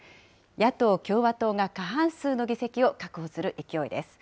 野党・共和党が過半数の議席を確保する勢いです。